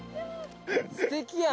すてきやん。